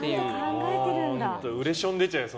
うれション出ちゃいます